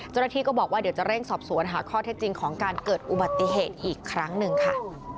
เจ้าหน้าที่ก็บอกว่าเดี๋ยวจะเร่งสอบสวนหาข้อเท็จจริงของการเกิดอุบัติเหตุอีกครั้งหนึ่งค่ะ